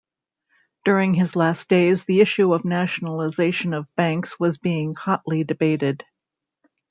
During his last days, the issue of nationalization of banks was being hotly debated.